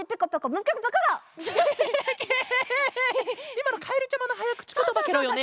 いまのかえるちゃまのはやくちことばケロよね？